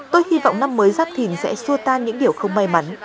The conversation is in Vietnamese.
tôi hy vọng năm mới giáp thìn sẽ xua tan những điều không may mắn